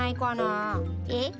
えっ？